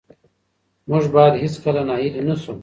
موږ باید هېڅکله ناهیلي نه سو.